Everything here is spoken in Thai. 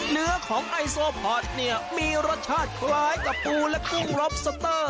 เนื้อของไอโซผัดเนี่ยมีรสชาติคล้ายกับปูและกุ้งร็อบสเตอร์